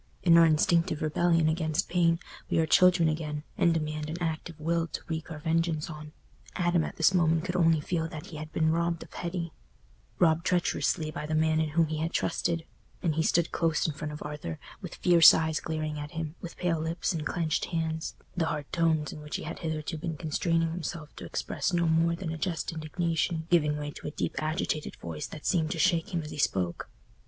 In our instinctive rebellion against pain, we are children again, and demand an active will to wreak our vengeance on. Adam at this moment could only feel that he had been robbed of Hetty—robbed treacherously by the man in whom he had trusted—and he stood close in front of Arthur, with fierce eyes glaring at him, with pale lips and clenched hands, the hard tones in which he had hitherto been constraining himself to express no more than a just indignation giving way to a deep agitated voice that seemed to shake him as he spoke.